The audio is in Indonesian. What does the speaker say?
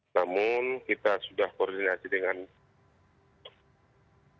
namun kita sudah koordinasi dengan